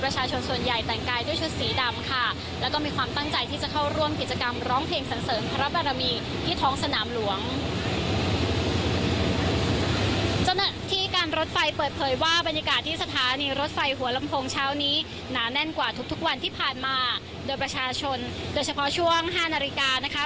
เจ้าหน้าที่การรถไฟเปิดเผยว่าบรรยากาศที่สถานีรถไฟหัวลำโพงเช้านี้หนาแน่นกว่าทุกทุกวันที่ผ่านมาโดยประชาชนโดยเฉพาะช่วงห้านาฬิกานะคะ